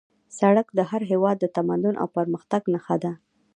سړک د هر هېواد د تمدن او پرمختګ نښه ده